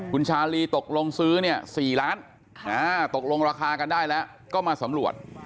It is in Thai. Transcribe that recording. คุณชาลีตกลงซื้อเนี่ย๔ล้านตกลงราคากันได้แล้วก็มาสำรวจ